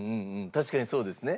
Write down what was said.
確かにそうですね。